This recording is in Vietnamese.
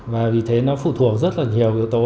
và vì thế nó phụ thuộc rất là nhiều yếu tố